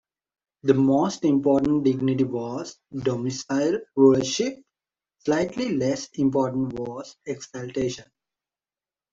The most important dignity was domicile rulership; slightly less important was exaltation.